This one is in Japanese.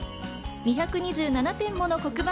２２７点もの黒板